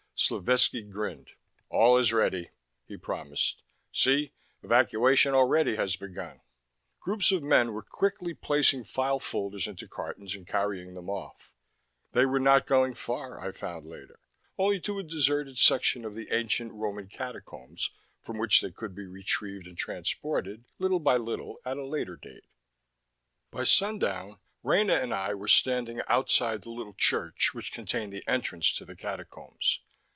Slovetski grinned. "All is ready," he promised. "See, evacuation already has begun!" Groups of men were quickly placing file folders into cartons and carrying them off. They were not going far, I found later, only to a deserted section of the ancient Roman Catacombs, from which they could be retrieved and transported, little by little, at a later date. By sundown, Rena and I were standing outside the little church which contained the entrance to the Catacombs.